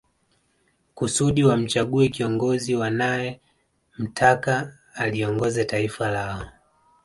Kusudi wamchague kiongozi wanae mtaka aliongoze taifa lao